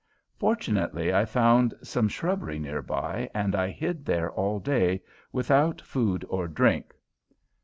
Fortunately, I found some shrubbery near by, and I hid there all day, without food or drink.